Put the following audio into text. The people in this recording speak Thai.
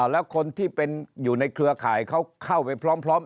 แล้วคนที่เป็นอยู่ในเครือข่ายเขาเข้าไปพร้อม